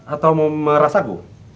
atau memeras aku